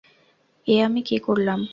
এ আমি কী করলাম?